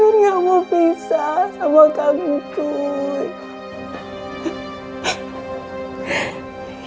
min gak mau pisah sama kamu tuh